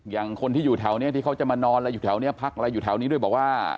อย่างคนที่อยู่แถวนี้ที่เขาจะมานอนอะไรอยู่แถวนี้พักอะไรอยู่แถวนี้ด้วยบอกว่า